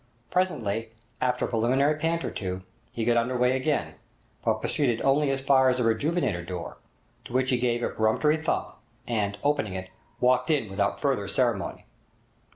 Presently, after a preliminary pant or two, he got under weigh again, but proceeded only as far as the 'Rejuvenator' door, to which he gave a peremptory thump, and, opening it, walked in without further ceremony.